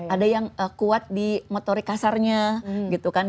ada yang kuat di motorik kasarnya gitu kan